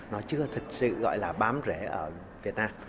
nó chưa thực sự gọi là bám rễ ở việt nam